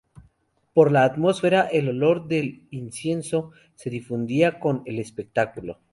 Por la atmósfera, el olor de incienso se difundía con el espectáculo.